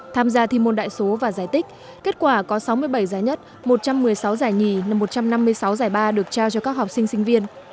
tham gia thi môn đại số và giải tích kết quả có sáu mươi bảy giải nhất một trăm một mươi sáu giải nhì và một trăm năm mươi sáu giải ba được trao cho các học sinh sinh viên